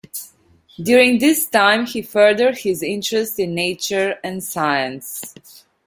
During this time he furthered his interest in nature and science.